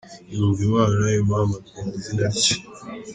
Yumva Imana imuhamagaye mu izina rye.